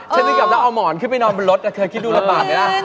เช่นที่กลับแล้วเอาหมอนขึ้นไปนอนบนรถเคยคิดดูลำบากเนี่ย